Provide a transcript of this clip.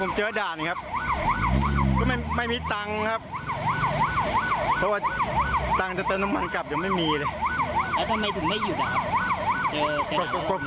โหเจ๊ครับเราหนีขนาดนี้นะตายก็ไม่รู้ทั่วเลยรถ